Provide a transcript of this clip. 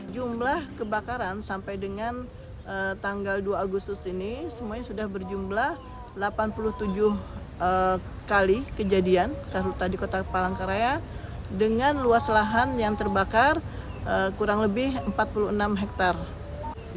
jumlah kebakaran sampai dengan tanggal dua agustus ini semuanya sudah berjumlah delapan puluh tujuh kali kejadian karutan di kota palangkaraya dengan luas lahan yang terbakar kurang lebih empat puluh enam hektare